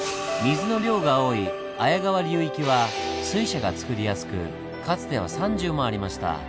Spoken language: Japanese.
水の量が多い綾川流域は水車がつくりやすくかつては３０もありました。